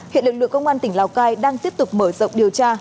hiện lực lượng công an tỉnh lào cai đang tiếp tục mở rộng điều tra